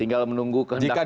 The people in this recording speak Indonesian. tinggal menunggu kehendak tuhan